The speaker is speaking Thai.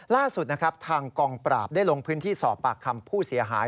ล่าสุดนะครับทางกองปราบได้ลงพื้นที่สอบปากคำผู้เสียหาย